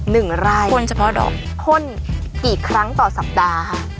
หนึ่งไร่ข้นเฉพาะดอกพ่นกี่ครั้งต่อสัปดาห์ค่ะ